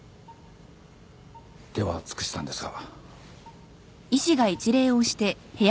手は尽くしたんですが。